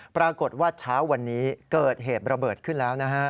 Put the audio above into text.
ปรากฏว่าเช้าวันนี้เกิดเหตุระเบิดขึ้นแล้วนะฮะ